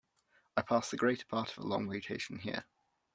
I pass the greater part of the long vacation here.